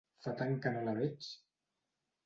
Fa tant que no la veig...